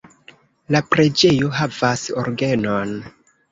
La preĝejo havas orgenon.